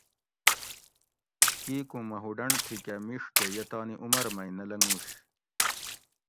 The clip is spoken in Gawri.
کیکوں مہوڈنڈ تھی کہ میڛ کہ یہ تانی عمر مئ نہ لنگوش